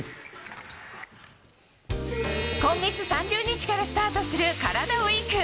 今月３０日からスタートするカラダＷＥＥＫ。